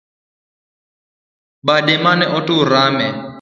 Bade mane otur rame